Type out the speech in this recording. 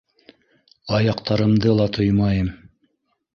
Аяҡтарымды ла тоймайым.